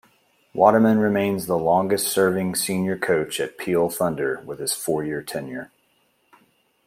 Waterman remains the longest serving senior coach at Peel Thunder with his four-year tenure.